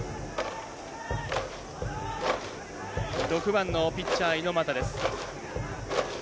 ６番のピッチャー、猪俣です。